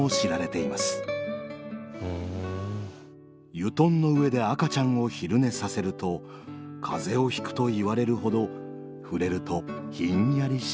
油団の上で赤ちゃんを昼寝させると風邪をひくといわれるほど触れるとひんやりします。